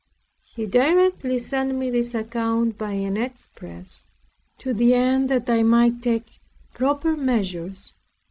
He directly sent me this account by an express, to the end that I might take proper measures.